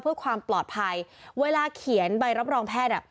เพื่อความปลอดภัยเวลาเขียนใบรับรองแพทย์อ่ะ